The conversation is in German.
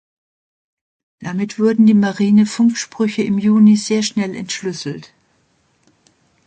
Damit wurden die Marine-Funksprüche im Juni sehr schnell entschlüsselt.